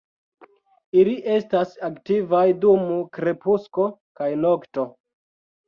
Ili estas aktivaj dum krepusko kaj nokto.